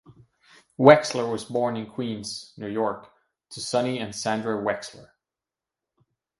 Wexler was born in Queens, New York to Sonny and Sandra Wexler.